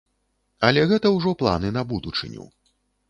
Але гэта ўжо планы на будучыню.